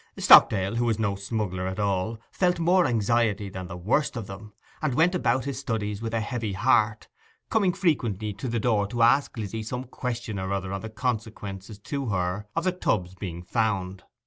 Stockdale, who was no smuggler at all, felt more anxiety than the worst of them, and went about his studies with a heavy heart, coming frequently to the door to ask Lizzy some question or other on the consequences to her of the tubs being found.